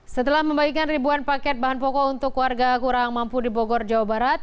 setelah membagikan ribuan paket bahan pokok untuk warga kurang mampu di bogor jawa barat